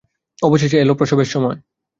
অবশেষে এল প্রসবের সময়।